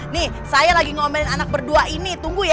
nih saya lagi ngomen anak berdua ini tunggu ya